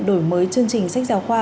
đổi mới chương trình sách giáo khoa